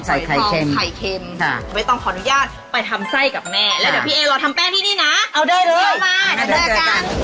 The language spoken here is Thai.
เอาได้เลยมาจะเจอกัน